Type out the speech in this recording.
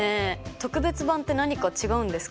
特別版って何か違うんですか？